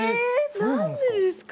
何でですか？